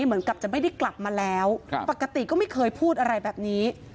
เหมือนกับจะไม่ได้กลับมาแล้วปกติก็ไม่เคยพูดอะไรแบบนี้